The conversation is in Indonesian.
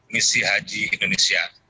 misi haji indonesia